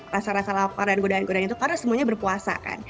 rasa rasa lapar dan godaan godaan itu karena semuanya berpuasa kan